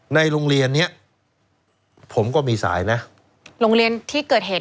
ในโรงเรียนเนี้ยผมก็มีสายนะโรงเรียนที่เกิดเหตุ